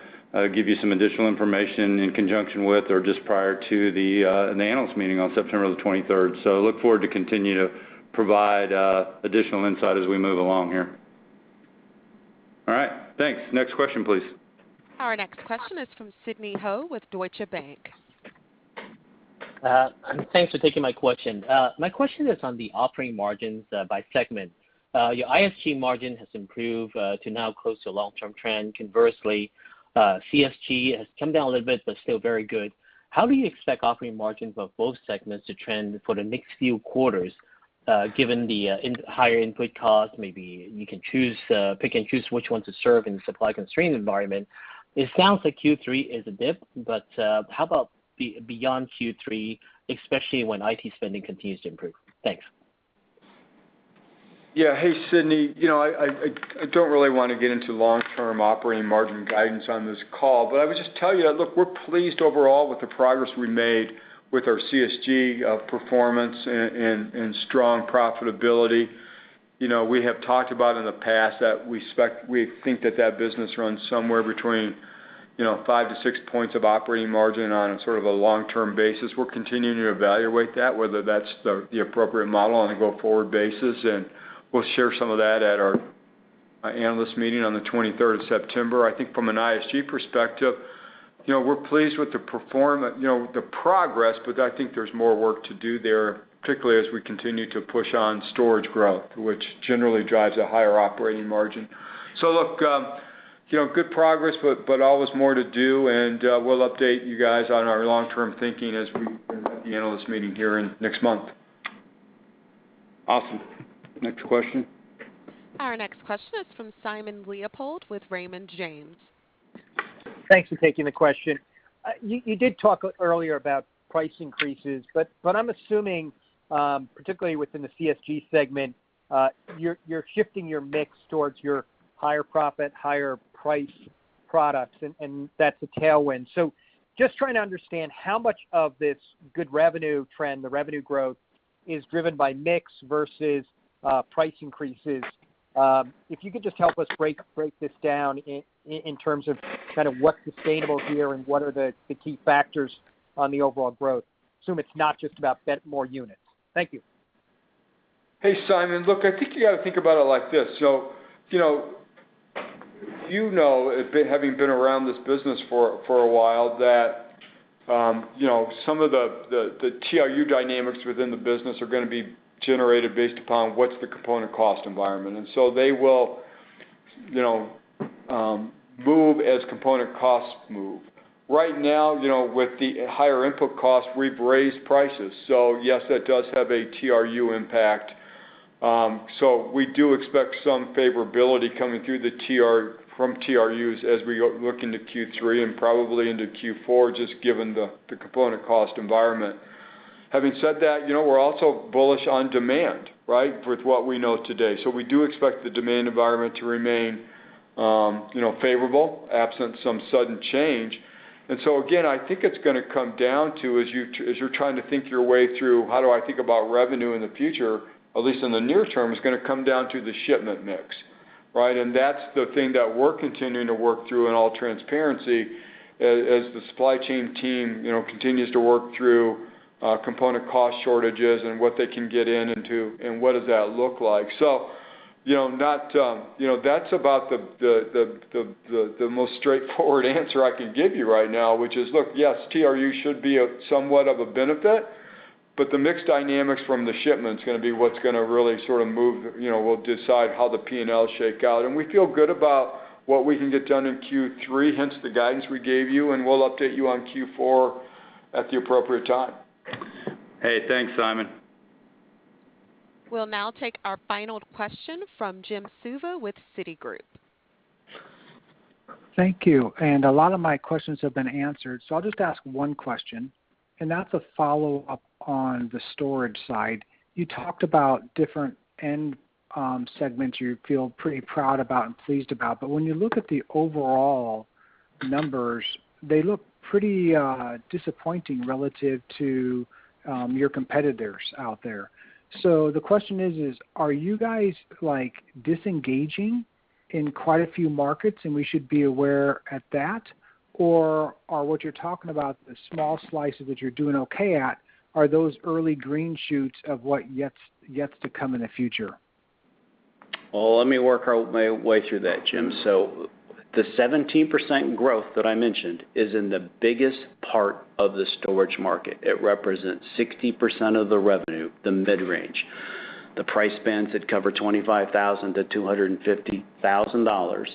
give you some additional information in conjunction with or just prior to the analyst meeting on September the 23rd. Look forward to continue to provide additional insight as we move along here. All right. Thanks. Next question, please. Our next question is from Sidney Ho with Deutsche Bank. Thanks for taking my question. My question is on the operating margins by segment. Your ISG margin has improved to now close to long-term trend. Conversely, CSG has come down a little bit, but still very good. How do you expect operating margins of both segments to trend for the next few quarters, given the higher input cost? Maybe you can pick and choose which one to serve in the supply-constrained environment. It sounds like Q3 is a dip, but how about beyond Q3, especially when IT spending continues to improve? Thanks. Hey, Sidney. I don't really want to get into long-term operating margin guidance on this call, but I would just tell you that, look, we're pleased overall with the progress we made with our CSG performance and strong profitability. We have talked about in the past that we think that business runs somewhere between five-six points of operating margin on a sort of a long-term basis. We're continuing to evaluate that, whether that's the appropriate model on a go-forward basis, and we'll share some of that at our analyst meeting on the 23rd of September. I think from an ISG perspective, we're pleased with the progress, but I think there's more work to do there, particularly as we continue to push on storage growth, which generally drives a higher operating margin. Look, good progress, but always more to do, and we'll update you guys on our long-term thinking as we conduct the analyst meeting here next month. Awesome. Next question. Our next question is from Simon Leopold with Raymond James. Thanks for taking the question. You did talk earlier about price increases, but I'm assuming, particularly within the CSG segment, you're shifting your mix towards your higher profit, higher price products, and that's a tailwind. Just trying to understand how much of this good revenue trend, the revenue growth, is driven by mix versus price increases. If you could just help us break this down in terms of kind of what's sustainable here and what are the key factors on the overall growth. Assume it's not just about more units. Thank you. Hey, Simon. Look, I think you got to think about it like this. You know, having been around this business for a while, that some of the TRU dynamics within the business are going to be generated based upon what is the component cost environment. They will move as component costs move. Right now with the higher input cost, we've raised prices. Yes, that does have an TRU impact. We do expect some favorability coming through from TRUs as we look into Q3 and probably into Q4, just given the component cost environment. Having said that, we're also bullish on demand, right? With what we know today. We do expect the demand environment to remain favorable, absent some sudden change. Again, I think it's going to come down to, as you're trying to think your way through, how do I think about revenue in the future, at least in the near term, it's going to come down to the shipment mix. Right? That's the thing that we're continuing to work through in all transparency as the supply chain team continues to work through component cost shortages and what they can get into, and what does that look like. That's about the most straightforward answer I can give you right now, which is, look, yes, ASP should be somewhat of a benefit, but the mix dynamics from the shipments going to be what's going to really sort of move, will decide how the P&L shake out. We feel good about what we can get done in Q3, hence the guidance we gave you, and we'll update you on Q4 at the appropriate time. Hey, thanks, Simon. We'll now take our final question from Jim Suva with Citigroup. Thank you. A lot of my questions have been answered, so I'll just ask one question, and that's a follow-up on the storage side. You talked about different end segments you feel pretty proud about and pleased about, but when you look at the overall numbers, they look pretty disappointing relative to your competitors out there. The question is, are you guys disengaging in quite a few markets, and we should be aware at that? Are what you're talking about, the small slices that you're doing okay at, are those early green shoots of what yet's to come in the future? Well, let me work my way through that, Jim. The 17% growth that I mentioned is in the biggest part of the storage market. It represents 60% of the revenue, the mid-range. The price bands that cover $25,0000-$250,000,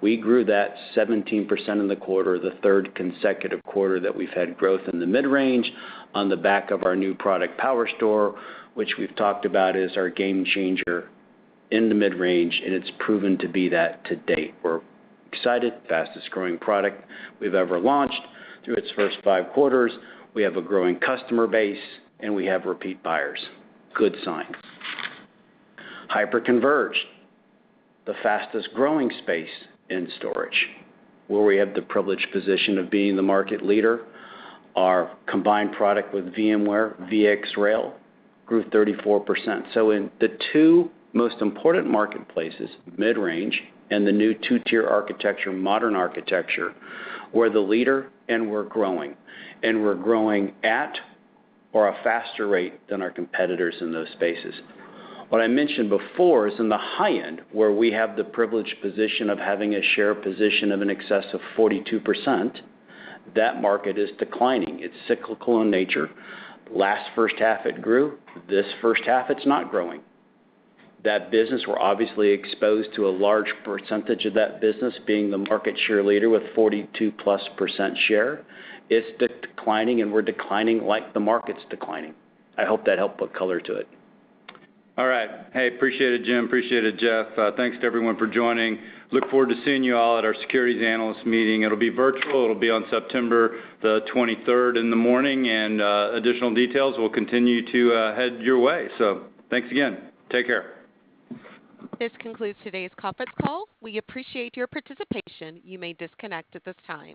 we grew that 17% in the quarter, the third consecutive quarter that we've had growth in the mid-range on the back of our new product PowerStore, which we've talked about is our game changer in the mid-range, and it's proven to be that to date. We're excited. Fastest-growing product we've ever launched through its first five quarters. We have a growing customer base, and we have repeat buyers. Good signs. Hyperconverged, the fastest-growing space in storage, where we have the privileged position of being the market leader. Our combined product with VMware, VxRail, grew 34%. In the two most important marketplaces, mid-range and the new two-tier architecture, modern architecture, we're the leader and we're growing, and we're growing at or a faster rate than our competitors in those spaces. What I mentioned before is in the high end, where we have the privileged position of having a share position of in excess of 42%, that market is declining. It's cyclical in nature. Last first half it grew. This first half it's not growing. That business, we're obviously exposed to a large percentage of that business, being the market share leader with 42-plus% share. It's declining, and we're declining like the market's declining. I hope that helped put color to it. All right. Hey, appreciate it, Jim. Appreciate it, Jeff. Thanks to everyone for joining. Look forward to seeing you all at our securities analyst meeting. It'll be virtual. It'll be on September the 23rd in the morning, and additional details will continue to head your way. Thanks again. Take care. This concludes today's conference call. We appreciate your participation. You may disconnect at this time.